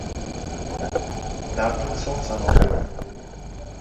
Dardning sonsanog‘i yo‘q.